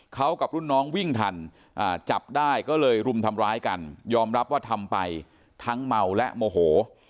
เขากับรุ่นน้องวิ่งทันจับได้ก็เลยรุมทำร้ายกันยอมรับว่าทำไปทั้งเมาและโมโห